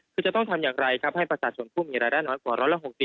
คือจะต้องทำอย่างไรครับให้ประชาชนผู้มีรายได้น้อยกว่า๑๖๐